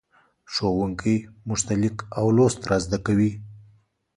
ښوونکی موږ ته لیک او لوست را زدهکوي.